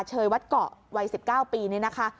เชยวัดเกาะวัย๑๙ปีนี่นะคะ